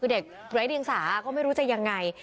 เด็กร้ายดึงซาก็ไม่รู้จะยังไง